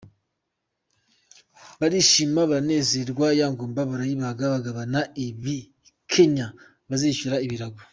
Barishima baranezerwa, ya ngumba barayibaga bagabana ibikenya bazishyura ibirago.